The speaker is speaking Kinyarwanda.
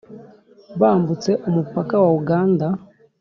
bambutse umupaka wa uganda